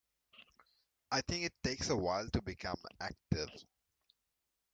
I think it takes a while to become active.